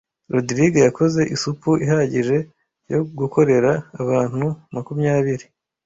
Rogride yakoze isupu ihagije yo gukorera abantu makumyabiri.